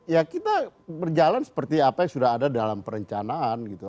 ya kita berjalan seperti apa yang sudah ada dalam perencanaan gitu